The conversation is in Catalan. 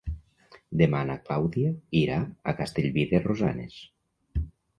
Demà na Clàudia irà a Castellví de Rosanes.